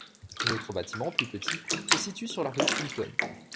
L'autre bâtiment, plus petit, se situe sur la rue Fulton.